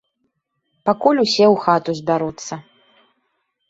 Пакуль усе ў хату збяруцца.